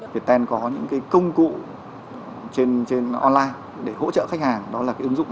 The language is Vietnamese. viettel có những công cụ trên online để hỗ trợ khách hàng